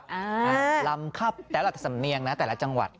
แปลว่าเฦาะสำเนียงนะแต่ละจังหวัด